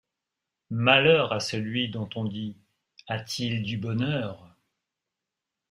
Malheur à celui dont on dit: A-t-il du bonheur!